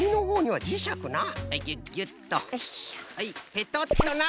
ペトッとな！